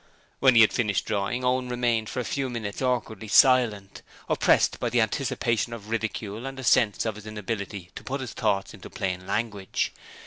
When he had finished drawing, Owen remained for a few minutes awkwardly silent, oppressed by the anticipation of ridicule and a sense of his inability to put his thoughts into plain language.